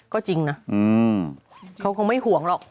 ก็จริงนะเขาคงไม่ห่วงหรอก